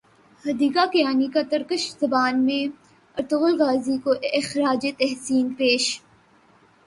حدیقہ کیانی کا ترکش زبان میں ارطغرل غازی کو خراج تحسین پیش